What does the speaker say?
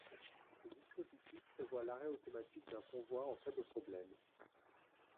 Ce dispositif prévoit l’arrêt automatique d’un convoi en cas de problème.